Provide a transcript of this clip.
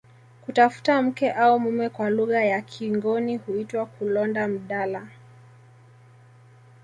Kutafuta mke au mume kwa lugha ya kingoni huitwa kulonda mdala